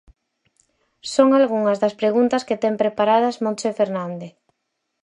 Son algunhas das preguntas que ten preparadas Montse Fernández.